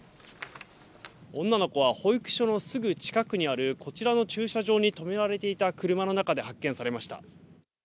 女の子は保育所のすぐ近くにある、こちらの駐車場に止められていた車の中で発見されました。